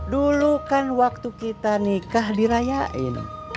dulu kan waktu kita nikah dirayain